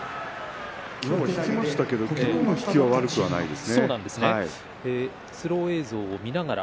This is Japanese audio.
今日は引きましたけども今日の引きは悪くないです。